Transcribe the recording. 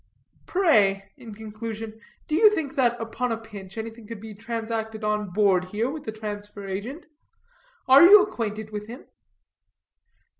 "Pray," in conclusion, "do you think that upon a pinch anything could be transacted on board here with the transfer agent? Are you acquainted with him?"